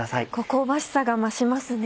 香ばしさが増しますね。